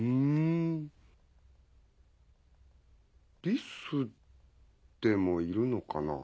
リスでもいるのかな？